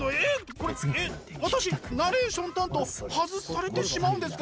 これえっ私ナレーション担当外されてしまうんですか？